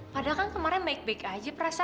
padahal kan kemarin baik baik aja perasaan